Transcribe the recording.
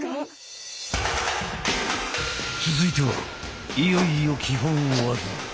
続いてはいよいよ基本技。